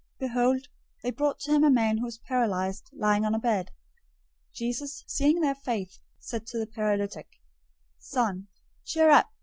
009:002 Behold, they brought to him a man who was paralyzed, lying on a bed. Jesus, seeing their faith, said to the paralytic, "Son, cheer up!